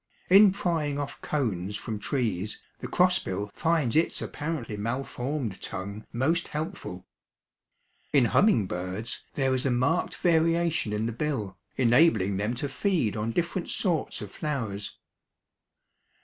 In prying off cones from trees the cross bill finds its apparently malformed tongue most helpful. In humming birds there is a marked variation in the bill, enabling them to feed on different sorts of flowers.